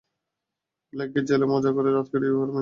Blackgate জেলে মজা করে রাত কাটিও, কারমাইন।